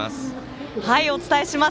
お伝えします。